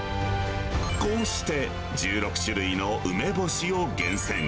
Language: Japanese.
こうして１６種類の梅干しを厳選。